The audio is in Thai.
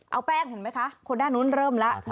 เอาแป้งเห็นไหมคะคนด้านนู้นเริ่มแล้ว